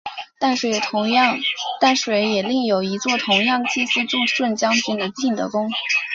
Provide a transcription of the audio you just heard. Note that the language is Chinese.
淡水也另有一座同样祭祀助顺将军的晋德宫。